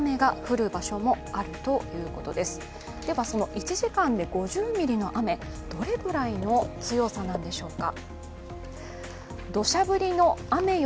１時間で５０ミリの雨どれぐらいの強さなんでしょうか。